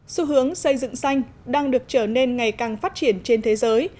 xu hướng xây dựng xanh đang được trở nên ngày càng phát triển trên thế giới